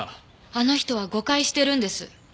あの人は誤解してるんです。